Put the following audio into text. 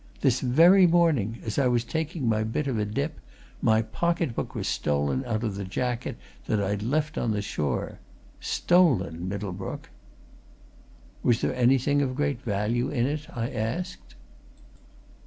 This very morning, as I was taking my bit of a dip, my pocket book was stolen out of the jacket that I'd left on the shore. Stolen, Middlebrook!" "Was there anything of great value in it?" I asked.